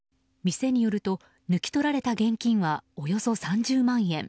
店によると抜き取られた現金はおよそ３０万円。